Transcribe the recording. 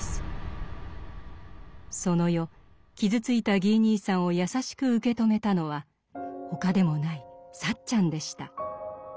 その夜傷ついたギー兄さんを優しく受け止めたのは他でもないサッチャンでした。